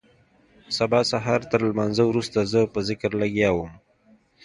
سبا سهارتر لمانځه وروسته زه په ذکر لگيا وم.